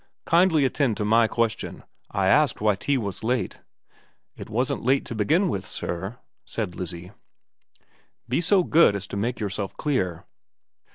' Kindly attend to my question. I asked why tea was late.' ' It wasn't late to begin with, sir,' said Lizzie. * Be so good as to make yourself clear.'